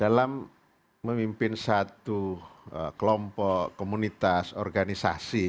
dalam memimpin satu kelompok komunitas organisasi